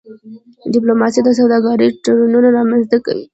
ډيپلوماسي د سوداګری تړونونه رامنځته کوي.